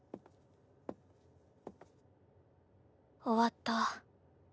終わった。